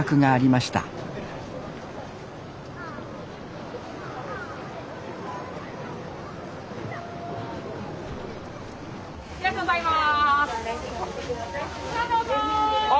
ありがとうございます。